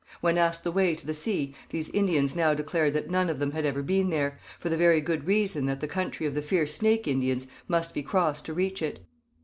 When asked the way to the sea these Indians now declared that none of them had ever been there, for the very good reason that the country of the fierce Snake Indians must be crossed to reach it.